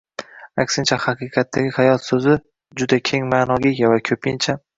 Aksincha, “haqiqatdagi hayot” so‘zi juda keng ma’noga ega va ko‘pincha